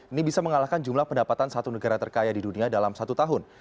ini bisa mengalahkan jumlah pendapatan satu negara terkaya di dunia dalam satu tahun